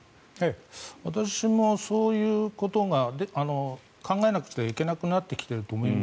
私もそういうことが考えなくてはいけなくなってきていると思います。